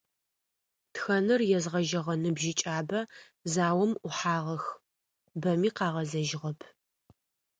Тхэныр езгъэжьэгъэ ныбжьыкӏабэ заом ӏухьагъэх, бэми къагъэзэжьыгъэп.